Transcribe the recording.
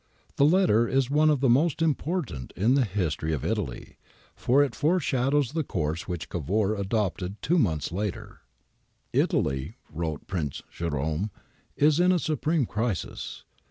The letter is one of the most important in the history of Italy, for it foreshadows the course which Cavour adopted two months later. ' Italy,' wrote Prince Jerome, ' is in a supreme crisis.